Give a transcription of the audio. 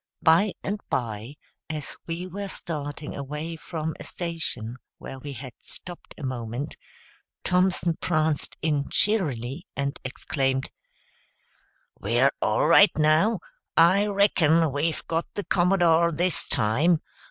By and by, as we were starting away from a station where we had stopped a moment, Thompson pranced in cheerily and exclaimed, "We're all right, now! I reckon we've got the Commodore this time.